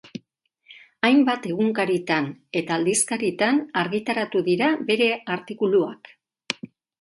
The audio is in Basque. Hainbat egunkaritan eta aldizkaritan argitaratu dirabere artikuluak.